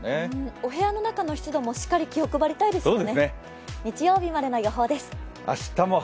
お部屋の中の人もしっかりと気を配りたいですよね。